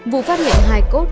vụ phát hiện hai cốt